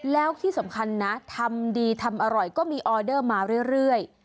แล้วที่สำคัญนะทำดีทำอร่อยก็มีออเดอร์มาเรื่อย